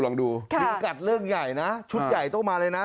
ลองดูพิงกัดเรื่องใหญ่นะชุดใหญ่ต้องมาเลยนะ